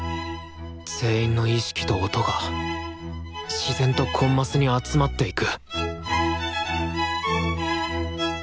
全員の意識と音が自然とコンマスに集まっていく